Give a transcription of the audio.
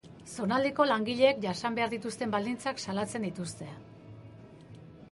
Zonaldeko langileek jasan behar dituzten baldintzak salatzen dituzte.